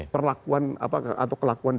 perlakuan atau kelakuan